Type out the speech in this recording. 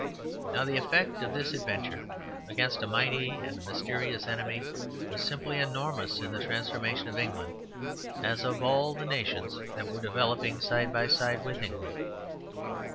Now, the effect of this adventure against a mighty and mysterious enemy was simply enormous in the transformation of England, as of all the nations that were developing side by side with England.